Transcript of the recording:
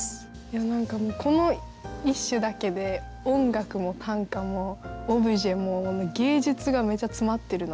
何かもうこの一首だけで音楽も短歌もオブジェも芸術がめっちゃ詰まってるなって。